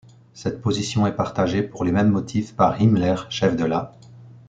Cette position est partagée, pour les mêmes motifs par Himmler, chef de la '.